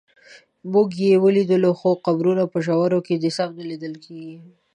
موږ یې ولیدلو خو قبر په ژورو کې دی سم نه لیدل کېږي.